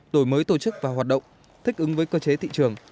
đổi mới tổ chức và hoạt động thích ứng với cơ chế thị trường